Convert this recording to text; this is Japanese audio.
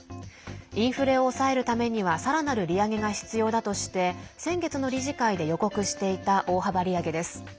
インフレを抑えるためにはさらなる利上げが必要だとして先月の理事会で予告していた大幅利上げです。